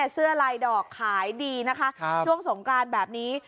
เสื้อลายดอกขายดีนะคะช่วงสงกรานแบบนี้